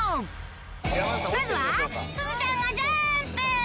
まずはすずちゃんがジャンプ！